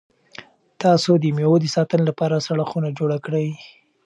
تاسو د مېوو د ساتنې لپاره سړه خونه جوړه کړئ.